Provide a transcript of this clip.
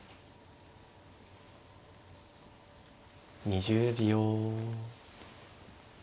２０秒。